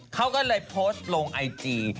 เขาก็เลยโพสต์ลงไอจี